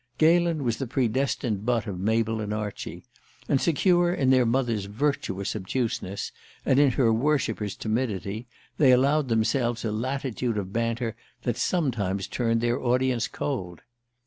Galen was the predestined butt of Mabel and Archie; and secure in their mother's virtuous obtuseness, and in her worshipper's timidity, they allowed themselves a latitude of banter that sometimes turned their audience cold.